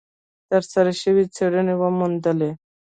ترسره شوې څېړنې وموندلې،